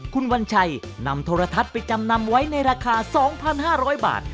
คุณวัญชัยนำโทรทัศน์ไปจำนำไว้ในราคา๒๕๐๐บาท